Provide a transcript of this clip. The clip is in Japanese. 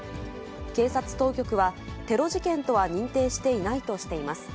警察当局は、テロ事件とは認定していないとしています。